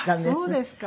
そうですか。